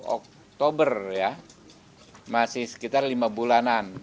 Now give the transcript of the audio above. oktober ya masih sekitar lima bulanan